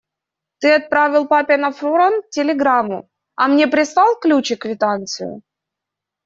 Ты отправил папе на фронт телеграмму, а мне прислал ключ и квитанцию?